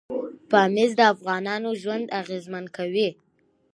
پامیر د افغانانو ژوند اغېزمن کوي.